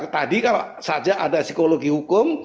tadi kalau saja ada psikologi hukum